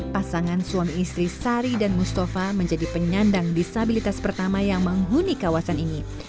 pasangan suami istri sari dan mustafa menjadi penyandang disabilitas pertama yang menghuni kawasan ini